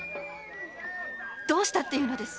どうしたっていうのです？